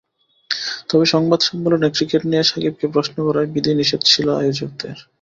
তবে সংবাদ সম্মেলনে ক্রিকেট নিয়ে সাকিবকে প্রশ্ন করায় বিধিনিষেধ ছিল আয়োজকদের।